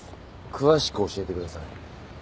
詳しく教えてください。